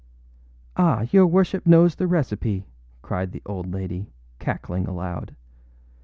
âAh, your worship knows the recipe,â cried the old lady, cackling aloud.